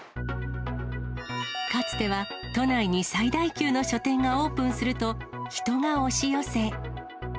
かつては都内に最大級の書店がオープンすると、人が押し寄せ。